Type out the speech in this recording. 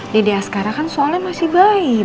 di dia sekarang kan soalnya masih baik